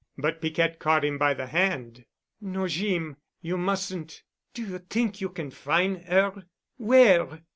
But Piquette caught him by the hand. "No, Jeem. You mus'n't. Do you t'ink you can fin' 'er? Where?